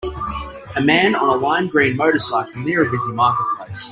A man on a lime green motorcycle, near a busy marketplace.